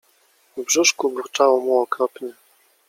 W brzuszku burczało mu okropnie.